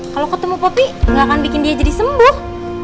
kalau ketemu kopi gak akan bikin dia jadi sembuh